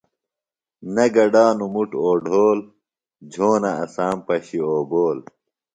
نہ گڈانوۡ مُٹ اوڈھول، جھونہ اسام پشیۡ اوبول